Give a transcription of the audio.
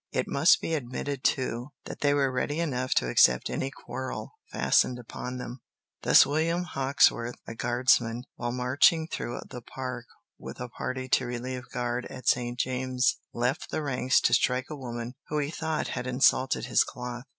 It must be admitted too that they were ready enough to accept any quarrel fastened upon them. Thus William Hawksworth, a guardsman, while marching through the park with a party to relieve guard at St. James's, left the ranks to strike a woman who he thought had insulted his cloth.